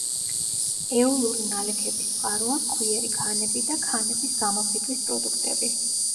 ეოლური ნალექების წყაროა ფხვიერი ქანები და ქანების გამოფიტვის პროდუქტები.